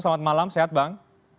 selamat malam sehat bang